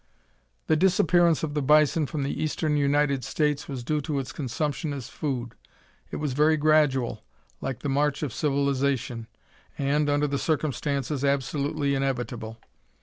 The disappearance of the bison from the eastern United States was due to its consumption as food. It was very gradual, like the march of civilization, and, under the circumstances, absolutely inevitable.